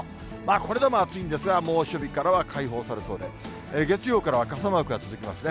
これでも暑いんですが、猛暑日からは解放されそうで、月曜からは傘マークが続きますね。